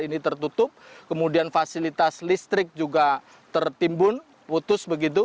ini tertutup kemudian fasilitas listrik juga tertimbun putus begitu